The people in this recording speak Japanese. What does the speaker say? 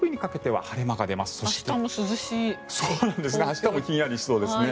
明日もひんやりしそうですね。